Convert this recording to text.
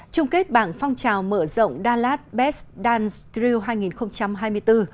trung kết bảng phong trào mở rộng đà lạt best dance thrill hai nghìn hai mươi bốn